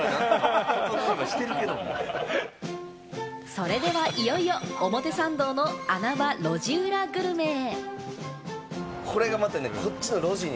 それではいよいよ表参道の穴場、路地裏グルメへ。